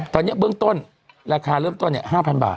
ตอนนี้เบื้องต้นราคาเริ่มต้น๕๐๐บาท